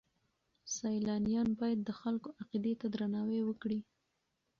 سیلانیان باید د خلکو عقیدې ته درناوی وکړي.